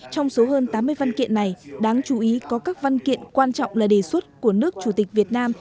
trong số hơn tám mươi văn kiện này đáng chú ý có các văn kiện quan trọng là đề xuất của nước chủ tịch việt nam